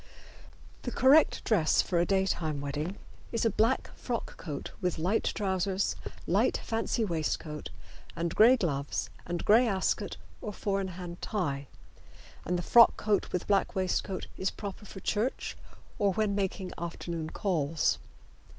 The correct dress for a daytime wedding is a black frock coat with light trousers, light fancy waistcoat and gray gloves and gray Ascot or four in hand tie, and the frock coat with black waistcoat proper for church or when making afternoon calls.